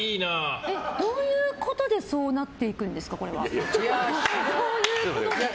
どういうことでそうなっていくんですか、これは。